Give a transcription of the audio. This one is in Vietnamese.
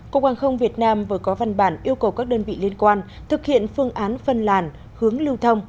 cục hàng không việt nam vừa có văn bản yêu cầu các đơn vị liên quan thực hiện phương án phân làn hướng lưu thông